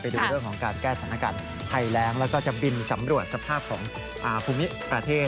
ดูเรื่องของการแก้สถานการณ์ภัยแรงแล้วก็จะบินสำรวจสภาพของภูมิประเทศ